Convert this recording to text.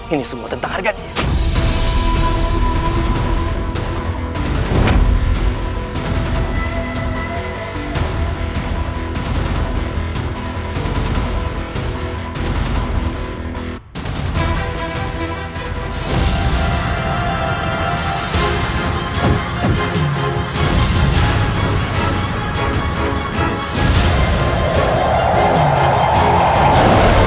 ini semua tentang harga dia